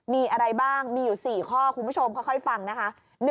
มีอะไรบ้างมีอยู่๔ข้อคุณผู้ชมค่อยฟังนะคะ